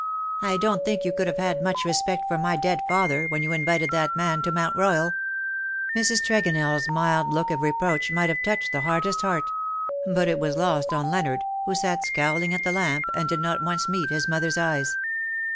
I donH think you could have had much respect for my dead father when you invited that man to Mount Royal/' Mrs. TregonelFs mild look of reproach might have touched the hardest heart; but it was lost on Leonard^ who sat scowling at the lamp, and did not once meet his mother^s eyes.